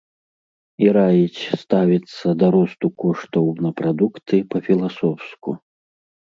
І раіць ставіцца да росту коштаў на прадукты па-філасофску.